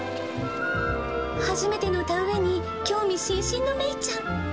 初めての田植えに興味津々の芽衣ちゃん。